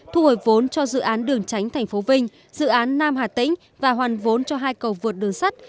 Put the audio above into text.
thu hồi vốn cho dự án đường tránh thành phố vinh dự án nam hà tĩnh và hoàn vốn cho hai cầu vượt đường sắt